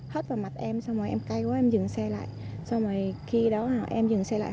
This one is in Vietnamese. hất vào mặt em xong rồi em cay quá em dừng xe lại xong rồi khi đó em dừng xe lại